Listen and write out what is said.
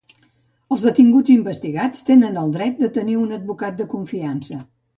Els detinguts i investigats tenen el dret de tenir un advocat de confiança.